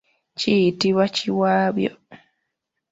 Kiyitibwa kiwabyo.